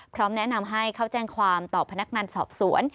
พร้อมแนะนำให้เข้าแจ้งความต่อพนักงานสอบสวน